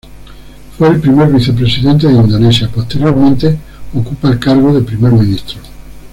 Fue el primer vicepresidente de Indonesia, posteriormente ocupa el cargo de primer ministro.